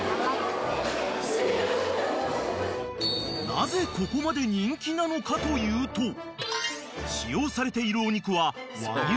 ［なぜここまで人気なのかというと使用されているお肉は和牛１００％］